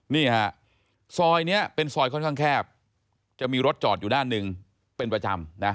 นี่ฮะซอยนี้เป็นซอยค่อนข้างแคบจะมีรถจอดอยู่ด้านหนึ่งเป็นประจำนะ